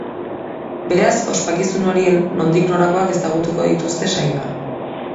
Beraz, ospakizun horien nondik norakoak ezagutuko dituzte saioan.